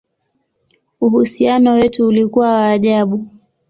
Uhusiano wetu ulikuwa wa ajabu!